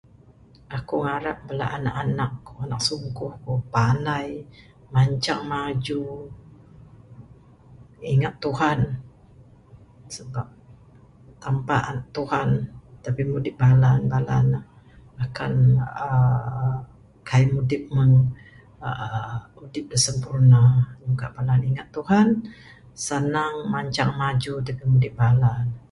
Aku ngarap bala anak anak ku anak sungkuh ku panai, mancang maju ingat Tuhan sebab tanpa Tuhan da pimudip bala ne bala ne akan aaa kaik mudip aaa udip da sempurna, nyungka kanan udip Tuhan sanang mancang maju da pimudip bala ne.